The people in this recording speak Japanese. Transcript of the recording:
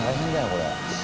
これ。